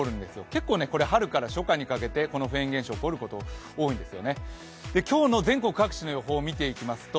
結構これ、春から初夏にかけてフェーン現象、起こること多いんです。